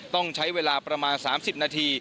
ต้องใช้เวลาประมาณ๓๐นาที